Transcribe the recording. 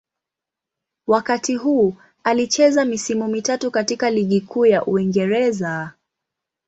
Wakati huu alicheza misimu mitatu katika Ligi Kuu ya Uingereza.